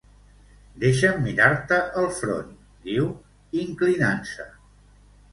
"Deixa'm mirar-te el front", diu, inclinant-se.